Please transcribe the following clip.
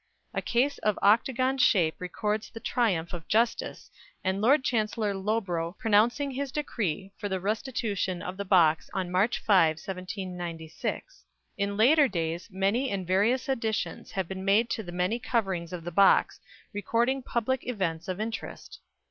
A case of octagon shape records the triumph of Justice, and Lord Chancellor Loughborough pronouncing his decree for the restitution of the box on March 5, 1796. In later days many and various additions have been made to the many coverings of the box, recording public events of interest.